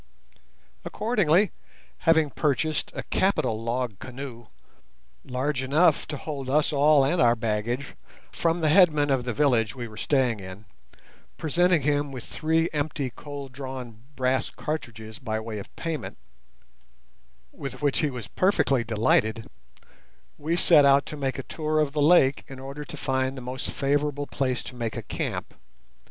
Accordingly, having purchased a capital log canoe, large enough to hold us all and our baggage, from the headman of the village we were staying in, presenting him with three empty cold drawn brass cartridges by way of payment, with which he was perfectly delighted, we set out to make a tour of the lake in order to find the most favourable place to make a camp.